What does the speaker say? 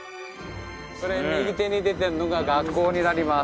これ右手に出てるのが学校になります。